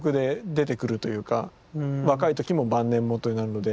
若い時も晩年もとなるので。